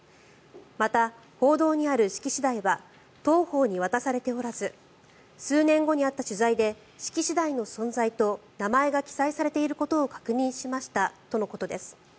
また、報道にある式次第は当方に渡されておらず数年後にあった取材で式次第の存在と名前が記載されていることを確認しましたということです。